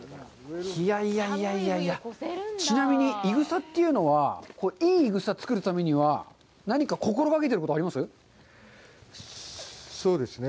いやいや、ちなみに、いぐさというのは、いいいぐさ作るためには何か心がけていることあります？